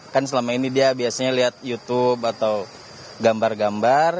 kan selama ini dia biasanya lihat youtube atau gambar gambar